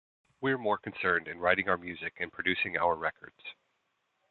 We're more concerned in writing our music and producing our records.